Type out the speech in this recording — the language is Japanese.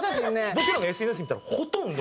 僕らのＳＮＳ見たらほとんど。